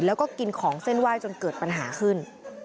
แล้วก็กินของเส้นไหว้จนเกิดปัญหาขึ้น